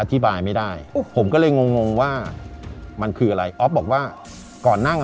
อธิบายไม่ได้ผมก็เลยงงงว่ามันคืออะไรออฟบอกว่าก่อนนั่ง